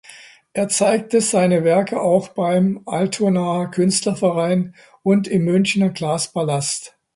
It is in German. Er zeigte seine Werke auch beim Altonaer Künstlerverein und im Münchner Glaspalast.